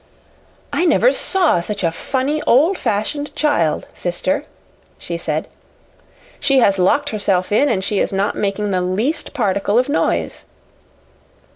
"I never saw such a funny, old fashioned child, sister," she said. "She has locked herself in, and she is not making the least particle of noise."